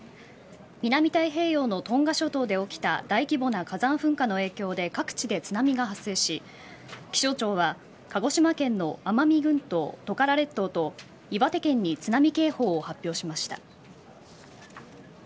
南太平洋のトンガ諸島で起きた大規模な火山噴火の影響で各地で津波が発生し気象庁は鹿児島県の奄美群島トカラ列島と岩手県に津波警報を発表しました。